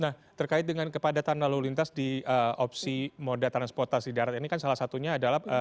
nah terkait dengan kepadatan lalu lintas di opsi moda transportasi darat ini kan salah satunya adalah